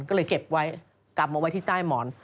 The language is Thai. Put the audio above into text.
ก็เลยเก็บไว้กลับมาไว้ที่ใต้หมอน